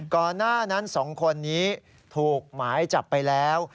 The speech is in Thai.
ก่อนหน้านั้น๒คนนี้ถูกหมายจับไปแล้ว